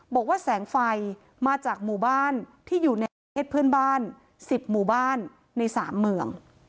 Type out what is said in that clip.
บอกว่าแสงไฟมาจากหมู่บ้านที่อยู่ในประเทศเพื่อนบ้าน๑๐หมู่บ้านใน๓เมือง